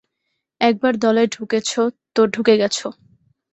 একবার দলে ঢুকেছো, তো ঢুকে গেছো।